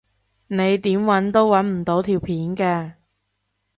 你點搵都搵唔到條片㗎